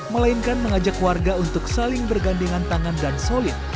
melainkan mengajak warga untuk saling bergandengan tangan dan solid